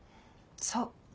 そう。